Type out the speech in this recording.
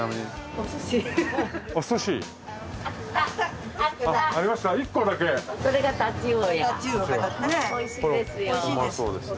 おいしいですよ。